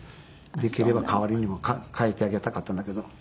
できれば代わりに代わってあげたかったんだけど。